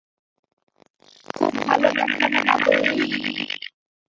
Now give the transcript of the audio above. খুব ভালো একখানা কাপড় নিবি?